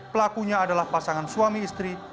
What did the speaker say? pelakunya adalah pasangan suami istri